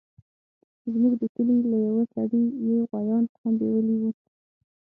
زموږ د کلي له يوه سړي يې غويان هم بيولي وو.